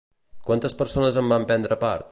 Quantes persones en van prendre part?